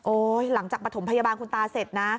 หลังจากปฐมพยาบาลคุณตาเสร็จนะ